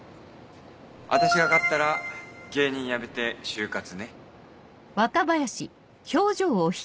私が勝ったら芸人やめて就活ね。